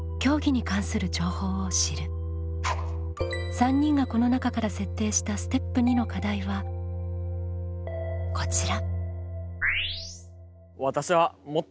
３人がこの中から設定したステップ２の課題はこちら。